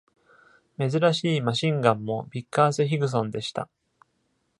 珍しいマシンガンも、ビッカース・ヒグソンでした。